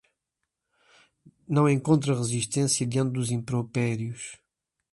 Não encontra resistência diante dos impropérios